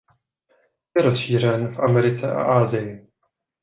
Je rozšířen v Americe a Asii.